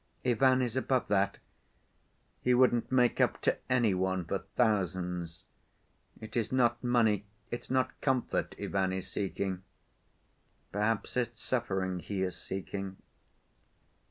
"Ivan is above that. He wouldn't make up to any one for thousands. It is not money, it's not comfort Ivan is seeking. Perhaps it's suffering he is seeking."